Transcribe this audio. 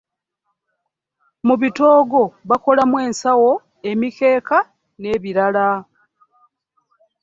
Mu bitoogo bakolamu ensawo, emikeeka n'ebirala.